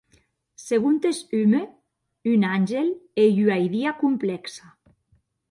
Segontes Hume, un àngel ei ua idia complèxa.